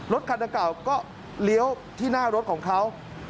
รถคันดังกล่าวก็เลี้ยวที่หน้ารถของเขา